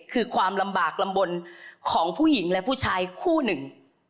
คือความลำบากลำบลของผู้หญิงและผู้ชายคู่หนึ่ง